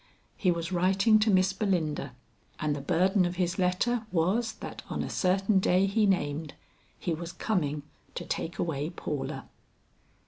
He was writing to Miss Belinda and the burden of his letter was that on a certain day he named, he was coming to take away Paula.